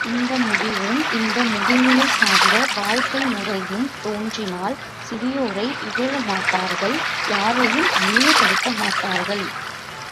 இந்த முடிவும் இந்த முடிநிலை சார்ந்த வாழ்க்கை முறையும் தோன்றினால் சிறியோரை இகழமாட்டார்கள் யாரையும் அந்நியப்படுத்தமாட்டார்கள்.